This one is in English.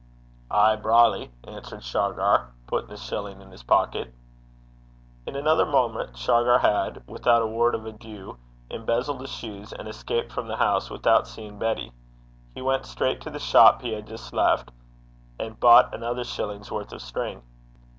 'Ay, brawly,' answered Shargar, putting the shilling in his pocket. In another moment Shargar had, without a word of adieu, embezzled the shoes, and escaped from the house without seeing Betty. He went straight to the shop he had just left, and bought another shilling's worth of string.